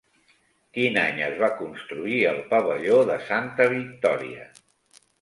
Quin any es va construir el pavelló de Santa Victòria?